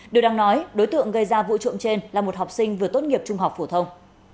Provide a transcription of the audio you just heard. điều đang nói đối tượng gây ra vụ trộm trên là một học sinh vừa tốt nghiệp trung học phổ thông